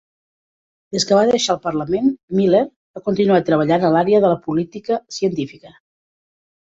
Des que va deixar el parlament Miller ha continuat treballant a l'àrea de la política científica.